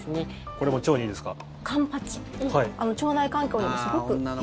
これも腸にいいですか？